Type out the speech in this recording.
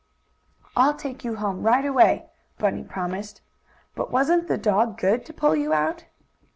"I'll take you home right away!" Bunny promised. "But wasn't the dog good to pull you out?"